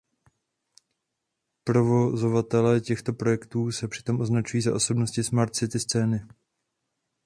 Provozovatelé těchto projektů se přitom označují za „osobnosti smart city scény“.